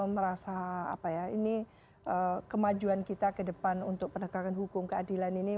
merasa apa ya ini kemajuan kita ke depan untuk penegakan hukum keadilan ini